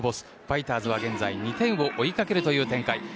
ファイターズは現在２点を追いかけるという展開。